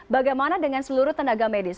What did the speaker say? bagaimana dengan seluruh tenaga medis